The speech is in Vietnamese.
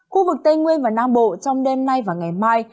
khu vực tây nguyên và nam bộ trong đêm nay và ngày mai